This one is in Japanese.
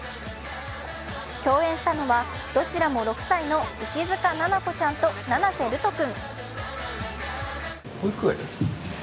共演したのは、どらちも６歳の石塚七菜子ちゃんと七瀬瑠斗君。